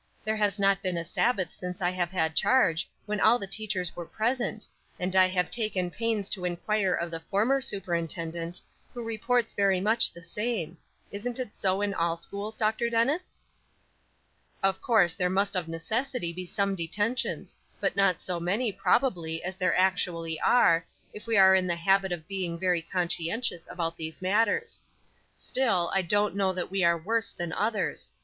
"There has not been a Sabbath since I have had charge when all the teachers were present; and I have taken pains to inquire of the former superintendent, who reports very much the same. Isn't it so in all schools, Dr. Dennis?" "Of course there must of necessity be some detentions; but not so many, probably, as there actually are, if we were in the habit of being very conscientious about these matters; still, I don't know that we are worse than others.